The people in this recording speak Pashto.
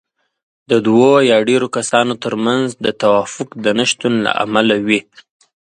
د دوو يا ډېرو کسانو ترمنځ د توافق د نشتون له امله وي.